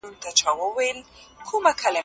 چي په تش ګومان مي خلک کړولي